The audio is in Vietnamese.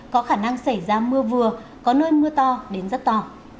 có khả năng xảy ra mưa vừa có nơi mưa to đến rất to